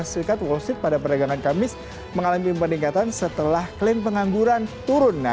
dengan amid transaksi energi positif pada perdagangan kamis mengalami pendingkatan setelah klaim pengangguran turun